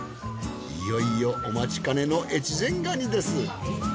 いよいよお待ちかねの越前ガニです。